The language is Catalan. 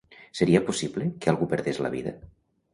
Seria possible que algú perdés la vida?